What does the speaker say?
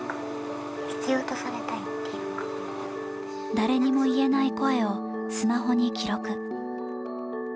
誰にも言えない声をスマホに記録。